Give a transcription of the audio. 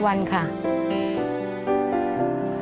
สุดท้าย